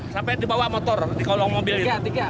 sampai dibawa motor di kolong mobil